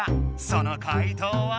その回答は？